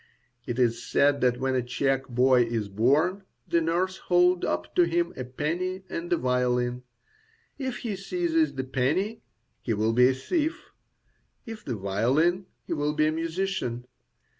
It is said that when a Czech boy is born, the nurse holds up to him a penny and a violin; if he seizes the penny, he will be a thief; if the violin, he will be a musician.